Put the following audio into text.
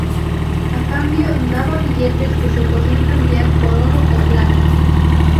A cambio, daba billetes que se podían cambiar por oro o plata.